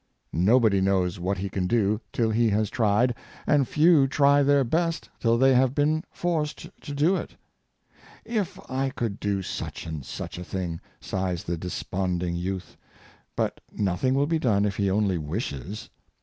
Nobody knows what he can do till he has tried ; and few try their best till they have been forced to do it. "^ I could do such and such a thing," sighs the desponding youth. But nothing will be done if he only wishes.